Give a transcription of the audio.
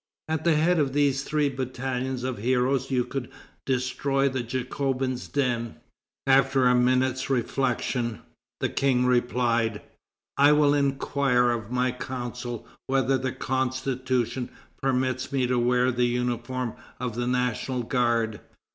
At the head of these three battalions of heroes you could destroy the Jacobins' den.' After a minute's reflection, the King replied: 'I will inquire of my Council whether the Constitution permits me to wear the uniform of the National Guard.'"